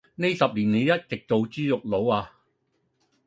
呢十年你一直做豬肉佬呀？